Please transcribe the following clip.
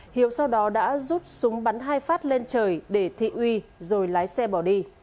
hiếu sau đó đã rút súng bắn hai phát lên trời để thị uy rồi lái xe bỏ đi